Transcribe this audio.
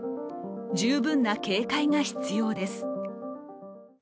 十分な警戒が必要です。